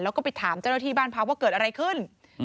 แล้วก็ไปถามเจ้าหน้าที่บ้านพักว่าเกิดอะไรขึ้น